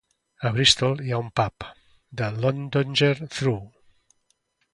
A Bristol hi ha un pub, "The Llandoger Trow".